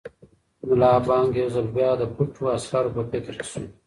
ملا بانګ یو ځل بیا د پټو اسرارو په فکر کې شو.